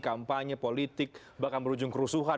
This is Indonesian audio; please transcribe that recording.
kampanye politik bahkan berujung kerusuhan